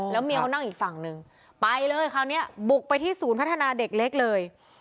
เมียเขานั่งอีกฝั่งหนึ่งไปเลยคราวนี้บุกไปที่ศูนย์พัฒนาเด็กเล็กเลย